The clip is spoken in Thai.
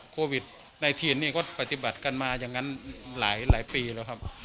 โควิด๑๙นี่ก็ปฏิบัติกันมาอย่างนั้นหลายปีแล้วครับ